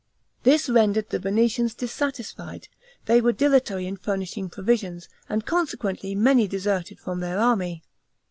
This rendered the Venetians dissatisfied; they were dilatory in furnishing provisions, and consequently many deserted from their army.